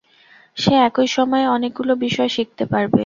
সে একই সময়ে অনেকগুলো বিষয় শিখতে পারবে।